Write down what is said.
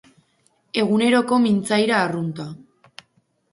Eguneroko mintzaira arrunta.